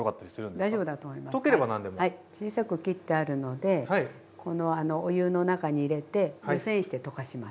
小さく切ってあるのでこのお湯の中に入れて湯煎して溶かします。